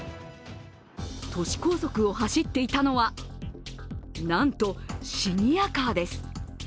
都市高速を走っていたのは、なんとシニアカーです。